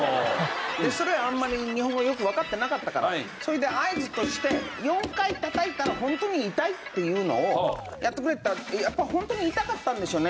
あんまり日本語よくわかってなかったからそれで合図として４回たたいたらホントに痛いっていうのをやってくれっていったらやっぱホントに痛かったんでしょうね。